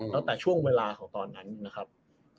ตั้งแต่ช่วงเวลาของตอนนั้นนะครับ